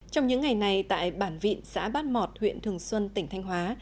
trong những ngày này tại bản vịnh xã bát mọt huyện thường xuân tỉnh thanh hóa